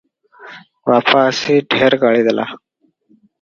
ବାପା ଆସି ଢେର ଗାଳିଦେଲା ।"